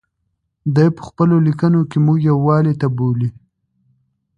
دی په خپلو لیکنو کې موږ یووالي ته بولي.